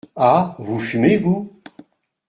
Ah ! vous fumez, vous ?